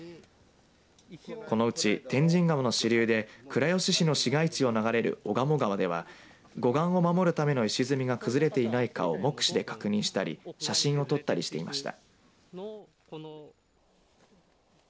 このうち、天神川の支流で倉吉市の市街地を流れる小鴨川では護岸を守るための石積みが崩れていないかを目視で確認したり写真を撮ったりしていました。